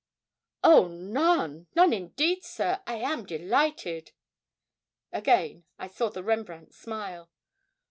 'Oh, none none indeed, sir I am delighted!' Again I saw the Rembrandt smile.